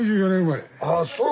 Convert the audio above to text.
ああそう。